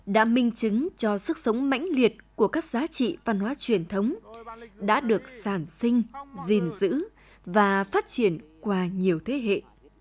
đã minh chứng cho sức sống mãnh liệt của các giá trị văn hóa truyền thống đã được sản sinh gìn giữ và phát triển qua nhiều thế hệ